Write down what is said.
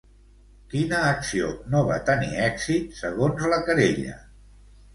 Quina acció no va tenir èxit, segons la querella?